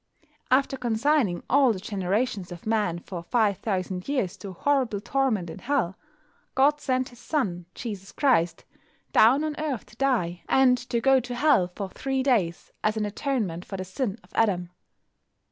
After consigning all the generations of men for five thousand years to horrible torment in Hell, God sent His Son, Jesus Christ, down on earth to die, and to go Hell for three days, as an atonement for the sin of Adam.